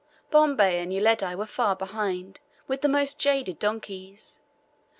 Bombay and Uledi were far behind, with the most jaded donkeys.